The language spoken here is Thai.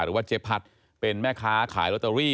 หรือว่าเจ๊พัดเป็นแม่ค้าขายลอตเตอรี่